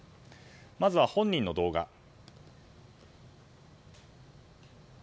まずは本人の動画。